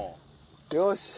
よし。